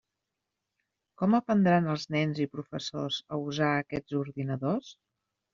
Com aprendran els nens i professors a usar aquests ordinadors?